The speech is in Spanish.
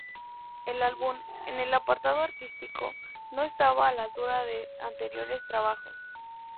El álbum, en el apartado artístico, no estaba a la altura de anteriores trabajos.